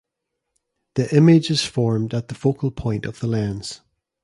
The image is formed at the focal point of the lens.